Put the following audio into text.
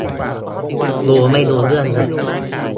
ดูไม่รู้เรื่องเลย